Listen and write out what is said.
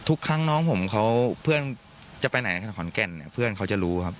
ทุกครั้งน้องผมเขาเพื่อนจะไปไหนขอนแก่นเนี่ยเพื่อนเขาจะรู้ครับ